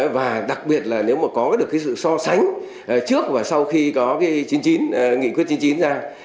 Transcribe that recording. và đặc biệt là nếu mà có được sự so sánh trước và sau khi có nghị quyết chính trị ra